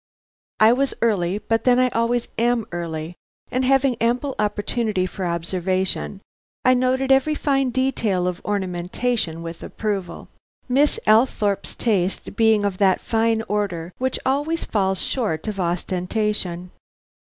I was early, but then I always am early, and having ample opportunity for observation, I noted every fine detail of ornamentation with approval, Miss Althorpe's taste being of that fine order which always falls short of ostentation.